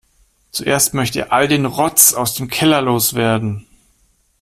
Zuerst möchte er all den Rotz aus dem Keller loswerden.